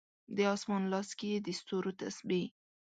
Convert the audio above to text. د اسمان لاس کې یې د ستورو تسبې